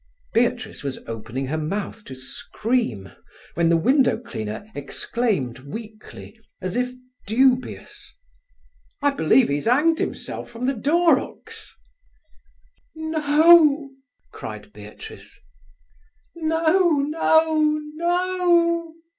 Beatrice was opening her mouth to scream, when the window cleaner exclaimed weakly, as if dubious: "I believe 'e's 'anged 'imself from the door 'ooks!" "No!" cried Beatrice. "No, no, no!"